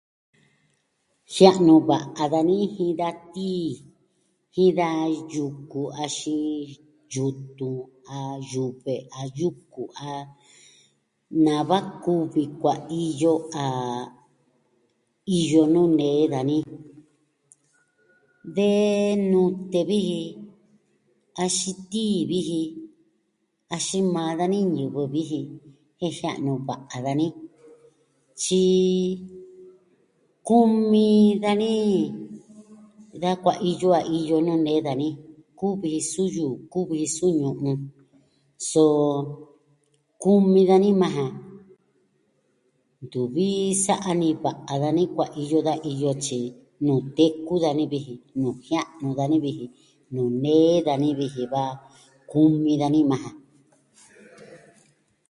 Jia'nu va'a dani jin da tii, jin da yuku axin, yutun, a yuve, a yuku, a... nava kuvi kuaiyo a... iyo nuu nee dani. De, nute vi ji, axin tii vi ji, axin maa dani ñivɨ vi ji. Jen jia'nu va'a dani. Tyi... kumi dani... da kuaiyo a iyo nuu nee dani. Kuvi su yuu, kuvio suu ñu'un. Soo, kumi dani maa ja. Natuvi sa'a ni va'a dani kuaiyo da iyo tyi nuu teku dani vi ij, nuu jia'nu dani vi ji, nuu nee dani vi ji va kumi dani maa ja.